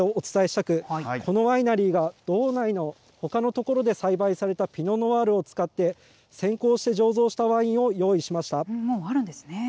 そこできょうは、北海道のワインの可能性をお伝えしたく、このワイナリーが道内のほかの所で栽培されたピノ・ノワールを使って、先行して醸造したワインを用意しました。